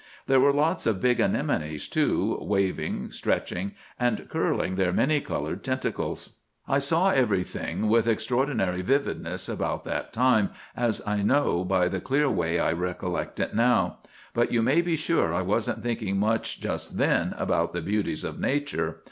There were lots of big anemones too, waving, stretching, and curling their many colored tentacles. "'I saw everything with extraordinary vividness about that time, as I know by the clear way I recollect it now; but you may be sure I wasn't thinking much just then about the beauties of nature.